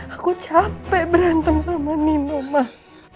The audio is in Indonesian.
aku capek berantem sama nino mah